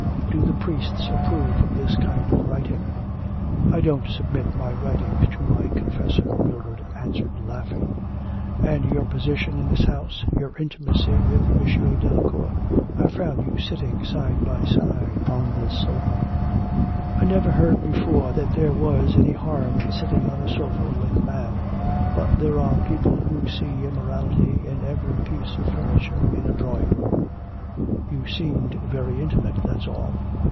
Do the priests approve of this kind of writing?' 'I don't submit my writings to my Confessor,' Mildred answered laughing. 'And your position in this house. Your intimacy with M. Delacour. I found you sitting side by side on this sofa.' 'I never heard before that there was any harm in sitting on a sofa with a man. But there are people who see immorality in every piece of furniture in a drawing room.' 'You seemed very intimate, that's all.